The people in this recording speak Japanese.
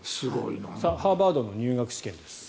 ハーバードの入学試験です。